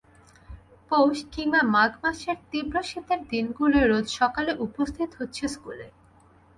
পৌষ কিংবা মাঘ মাসের তীব্র শীতের দিনগুলোয় রোজ সকালে উপস্থিত হচ্ছে স্কুলে।